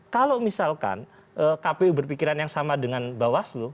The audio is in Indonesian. kalau misalkan kpu berpikiran yang sama dengan bawaslu